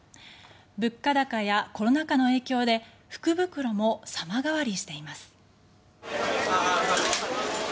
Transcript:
物価高やコロナ禍の影響で福袋も様変わりしています。